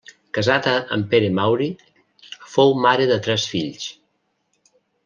Casada amb Pere Mauri, fou mare de tres fills: